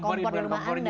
kompornya bukan kompornya